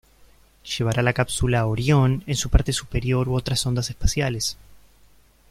Llevará la cápsula orión en su parte superior u otras sondas espaciales.